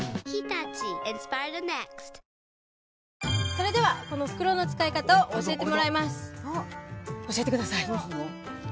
それではこの袋の使い方を教えてもらいます教えてください